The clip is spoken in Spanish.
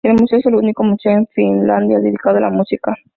El museo es el único museo en Finlandia dedicado a la música.